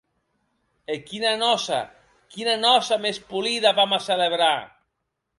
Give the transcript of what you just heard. E quina nòça, quina nòça mès polida vam a celebrar!